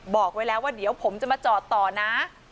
บอกไว้แล้วว่าเดี๋ยวผมจะมาจอดต่อนะ